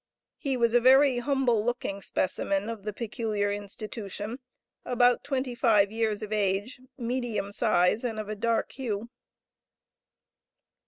He was a very humble looking specimen of the peculiar institution, about twenty five years of age, medium size, and of a dark hue.